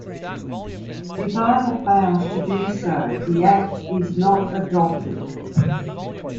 If either fails to do so, the act is not adopted.